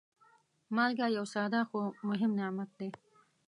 مالګه یو ساده، خو مهم نعمت دی.